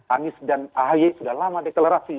anies dan ahy sudah lama deklarasi